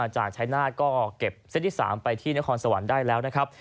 จากชายนาฏก็เก็บเส้นที่๓ไปที่นครสวรรค์ได้แล้วนะครับ